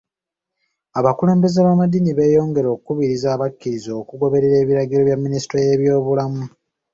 Abakulebeze b'amaddiini beeyongera okukubiriza abakkiriza okugoberera ebiragiro bya ministule y'ebyobulamu.